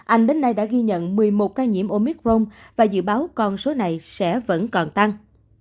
anh đến nay đã ghi nhận một mươi một ca nhiễm omicron và dự báo con số này sẽ vẫn còn tăng